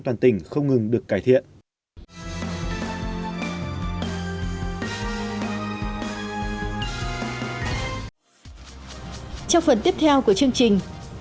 toàn tỉnh không ngừng được cải thiện